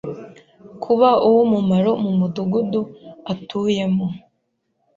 kuba uw’uwumumaro mu Mudugudu atuyemo.